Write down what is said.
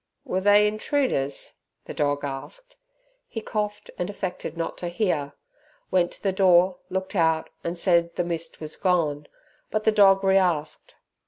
Were they intruders? the dog asked. He coughed and affected not to hear, went to the door, looked out and said the mist was gone, but the dog re asked.